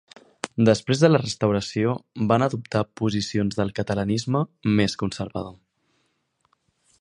Després de la Restauració, va adoptar posicions del catalanisme més conservador.